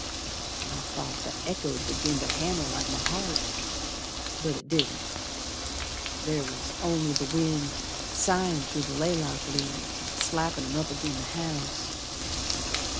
I thought the echo'd begin to hammer like my heart, But it didn't. There was only th' wind, Sighin' through the laylock leaves, An' slappin' 'em up agin the house.